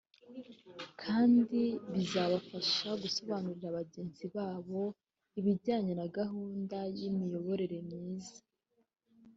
kandi bizabafasha gusobanurira bagenzi babo ibijyanye na gahunda y’imiyoborere myiza